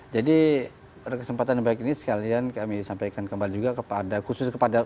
jadi kesempatan yang baik ini sekalian kami sampaikan kembali juga kepada khusus kepada